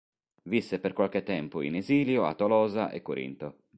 Visse per qualche tempo in esilio a Tolosa e Corinto.